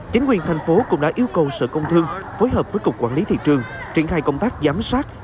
chính quyền thành phố cũng đã yêu cầu sở công thương phối hợp với cục quản lý thị trường triển khai công tác giám sát